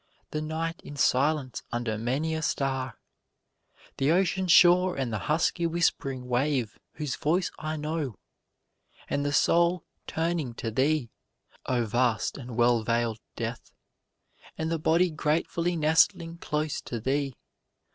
The night in silence under many a star, The ocean shore and the husky whispering wave whose voice I know, And the soul turning to thee, O vast and well veil'd Death, And the body gratefully nestling close to thee.